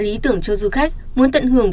lý tưởng cho du khách muốn tận hưởng